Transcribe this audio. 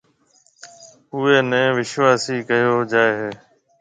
اُوئي نَي وِشواسي ڪهيَو جائي هيَ۔